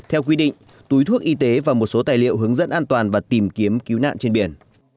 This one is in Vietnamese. theo quy định túi thuốc y tế và một số tài liệu hướng dẫn an toàn và tìm kiếm cứu nạn trên biển